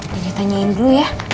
jadi tanyain dulu ya